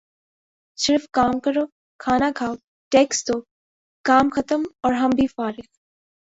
صرف کام کرو کھانا کھاؤ ٹیکس دو کام ختم اور ہم بھی فارخ